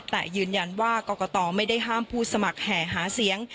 แต่ยืนยันว่ากรกตไม่ได้ห้ามผู้สมัครแห่หาเสียง